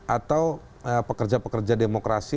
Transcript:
atau pekerja pekerja demokrasi